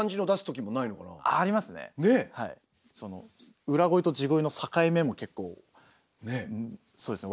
その裏声と地声の境目も結構そうですね